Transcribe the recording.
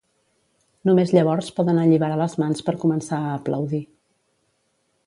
Només llavors poden alliberar les mans per començar a aplaudir.